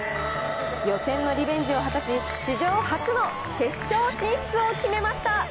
予選のリベンジを果たし、史上初の決勝進出を決めました。